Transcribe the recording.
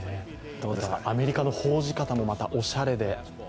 アメリカの報じ方もまたオシャレで。